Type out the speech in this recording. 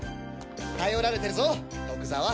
頼られてるぞ徳沢。